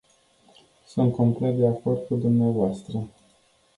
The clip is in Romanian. Sunt complet de acord cu dvs.